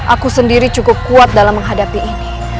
aku sendiri cukup kuat dalam menghadapi ini